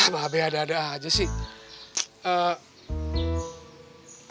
ba be ada ada aja sih